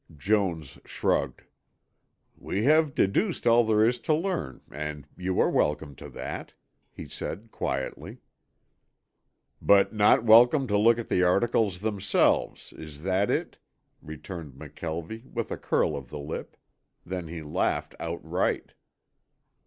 Jones shrugged. "We have deduced all there is to learn and you are welcome to that," he said quietly. "But not welcome to look at the articles themselves, is that it?" returned McKelvie, with a curl of the lip. Then he laughed outright.